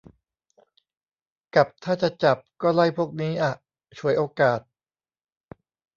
กับถ้าจะจับก็ไล่พวกนี้อะ ฉวยโอกาส